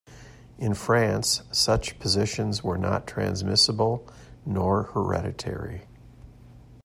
In France, such positions were not transmissible nor hereditary.